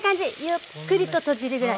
ゆっくりと閉じるぐらい。